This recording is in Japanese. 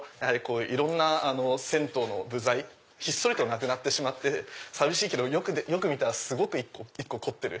いろんな銭湯の部材ひっそりとなくなってしまって寂しいけどよく見たらすごく一個一個凝ってる。